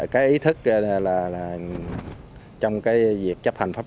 cái ý thức trong cái việc